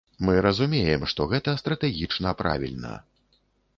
Мы разумеем, што гэта стратэгічна правільна.